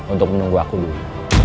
untuk menunggu aku dulu